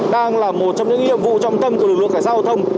đang là một trong những nhiệm vụ trong tâm của lực lượng khai sát giao thông